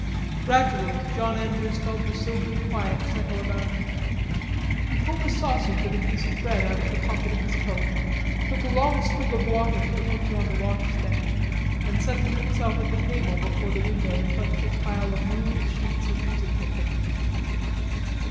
Gradually John Andrews felt the silvery quiet settle about him. He pulled a sausage and a piece of bread out of the pocket of his coat, took a long swig of water from the pitcher on his washstand, and settled himself at the table before the window in front of a pile of ruled sheets of music paper.